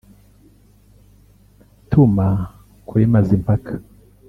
tuma kuri Mazimpaka